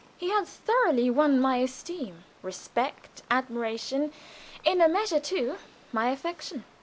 He had thoroughly won my esteem, respect, admiration in a measure, too, my affection.